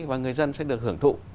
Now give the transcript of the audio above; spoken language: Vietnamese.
và người dân sẽ được hưởng thụ